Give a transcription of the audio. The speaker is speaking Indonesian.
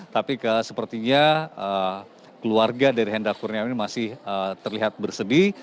tapi sepertinya keluarga dari hendra kurniawan ini masih terlihat bersedih